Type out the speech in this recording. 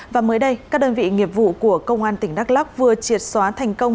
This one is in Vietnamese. và mới đây các đơn vị nghiệp vụ của công an tỉnh đắk lóc vừa triệt xóa thành công